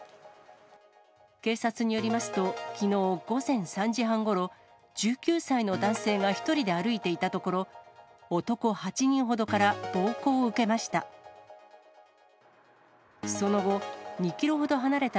警察によりますと、きのう午前３時半ごろ、１９歳の男性が１人で歩いていたところ、男８人ほどから暴行を受けました。